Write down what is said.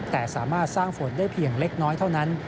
แต่สามารถสร้างฝนได้เพียงเล็กน้อยเท่านั้น